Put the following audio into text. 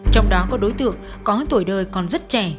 trong đó có đối tượng có tuổi đời còn rất trẻ